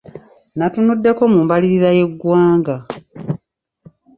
Nnatunuddeko mu mbalirira y’eggwanga.